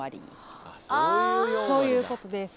そういうことです。